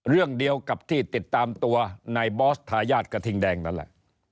เรื่องเดียวกับที่ติดตามตัวนายบอสทายาทกระทิงแดงนั่นแหละ